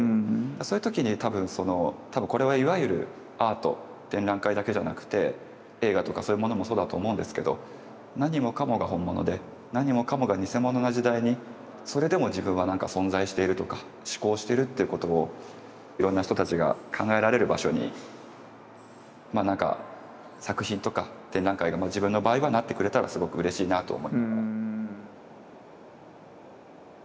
そういう時に多分その多分これはいわゆるアート展覧会だけじゃなくて映画とかそういうものもそうだと思うんですけど何もかもが本物で何もかもが偽物な時代にそれでも自分は存在しているとか思考してるってことをいろんな人たちが考えられる場所にまあなんか作品とか展覧会が自分の場合はなってくれたらすごくうれしいなと思ってます。